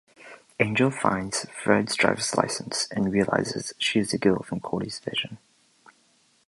Angel finds Fred's driver's license and realizes she is the girl from Cordy's vision.